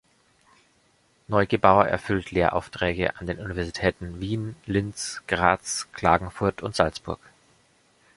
Neugebauer erfüllt Lehraufträge an den Universitäten Wien, Linz, Graz, Klagenfurt und Salzburg.